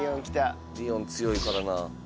リオン強いからな。